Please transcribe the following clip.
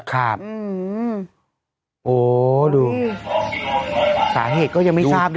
ครับโอ้ดูสาเหตุก็ยังไม่ทราบด้วย